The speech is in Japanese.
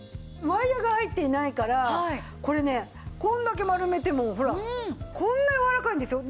ワイヤが入ってないからこれねこんだけ丸めてもほらこんなやわらかいんですよ。